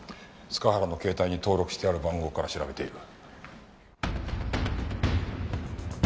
塚原の携帯に登録してある番号から調べている。